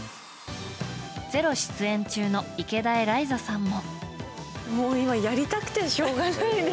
「ｚｅｒｏ」出演中の池田エライザさんも。